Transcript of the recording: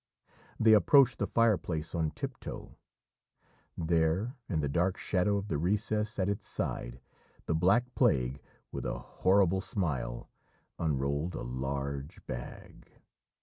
They approached the fireplace on tiptoe. There in the dark shadow of the recess at its side the Black Plague, with a horrible smile, unrolled a large bag.